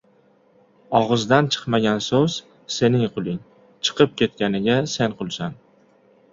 • Og‘izdan chiqmagan so‘z ― sening quling, chiqib ketganiga sen qulsan.